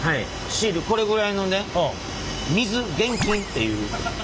シールこれぐらいのね水厳禁っていう。